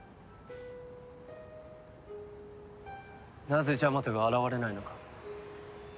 なぜジャマトが現れないのか。